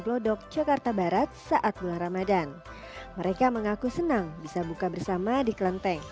lodok jakarta barat saat bulan ramadan mereka mengaku senang bisa buka bersama di klenteng